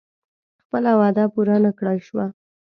خپله وعده پوره نه کړای شوه.